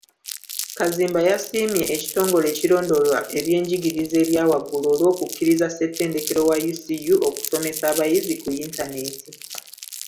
Kazimba yasiimye ekitongole ekirondoola ebyenjigiriza ebyawaggulu olw'okukkiriza ssettendekero wa UCU okusomesa abayizi ku Yintaneeti.